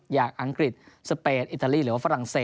อังกฤษสเปนอิตาลีหรือว่าฝรั่งเศ